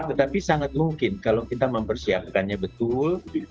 tetapi sangat mungkin kalau kita mempersiapkannya betul